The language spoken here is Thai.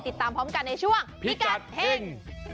ติดตามพร้อมกันในช่วงพิกัดเฮ่ง